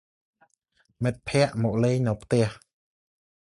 មិត្តភក្តិមកលេងនៅផ្ទះ។